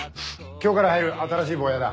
今日から入る新しいボーヤだ。